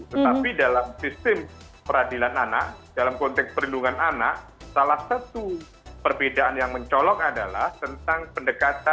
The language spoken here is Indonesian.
tetapi dalam sistem peradilan anak dalam konteks perlindungan anak salah satu perbedaan yang mencolok adalah tentang pendekatan